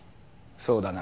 そうだな。